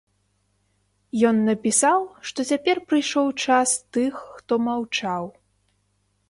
Ён напісаў, што цяпер прыйшоў час тых, хто маўчаў.